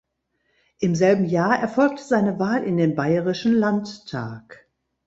Im selben Jahr erfolgte seine Wahl in den Bayerischen Landtag.